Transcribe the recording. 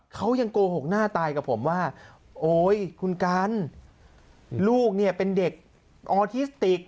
เขายังโกหกหน้าตายกับผมว่าโอ๊ยคุณกันลูกเนี่ยเป็นเด็กออทิสติก